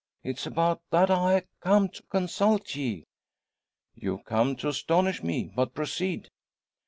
It's about that I ha' come to consult ye." "You've come to astonish me! But proceed!"